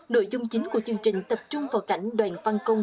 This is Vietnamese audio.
nội dung chính của chương trình tập trung vào cảnh đoàn văn công